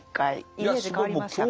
イメージ変わりましたか。